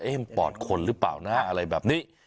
มันปอดคนหรือเปล่านะอะไรแบบนี้